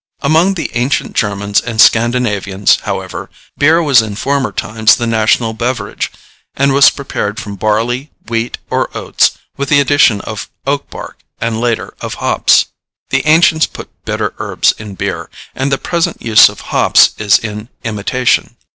Among the ancient Germans and Scandinavians, however, beer was in former times the national beverage, and was prepared from barley, wheat, or oats, with the addition of oak bark, and later of hops. The ancients put bitter herbs in beer, and the present use of hops is in imitation.